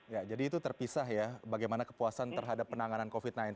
ya jadi itu terpisah ya bagaimana kepuasan terhadap penanganan covid sembilan belas